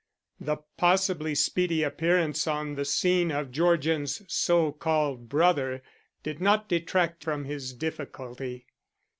The possibly speedy appearance on the scene of Georgian's so called brother did not detract from his difficulty.